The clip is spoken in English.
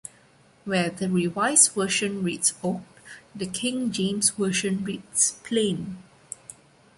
Where the Revised Version reads "oak," the King James Version reads "plain.